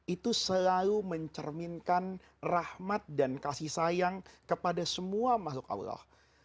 itu selalu mencerminkan rahmat dan kasih sayang kepada semua makhluk allah